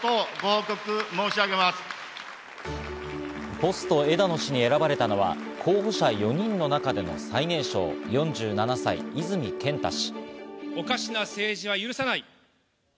ポスト枝野氏に選ばれたのは候補者４人の中での最年少、４７歳の泉健太氏。